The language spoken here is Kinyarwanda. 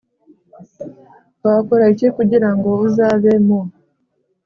Wakora iki kugira ngo uzabe mu